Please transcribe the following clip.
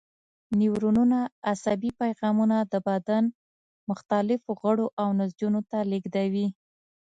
نیورونونه عصبي پیغامونه د بدن مختلفو غړو او نسجونو ته لېږدوي.